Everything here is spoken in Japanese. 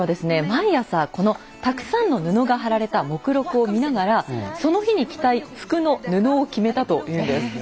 毎朝このたくさんの布が貼られた目録を見ながらその日に着たい服の布を決めたというんです。